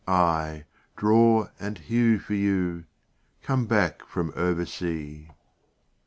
—aye, draw and hew for you, Come back from oversea."